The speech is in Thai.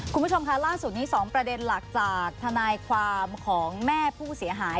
คุณผู้ชมค่ะล่าสุดนี้๒ประเด็นหลักจากทนายความของแม่ผู้เสียหาย